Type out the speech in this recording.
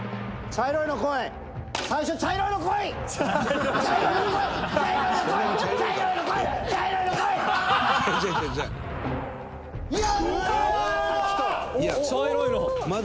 「茶色いのこい！」